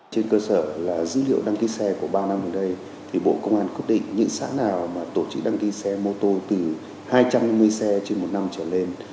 trên cơ sở là dữ liệu đăng ký xe của ba năm gần đây thì bộ công an quyết định những xã nào mà tổ chức đăng ký xe mô tô từ hai trăm năm mươi xe trên một năm trở lên